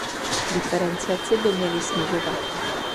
Diferenciaci by měly snižovat.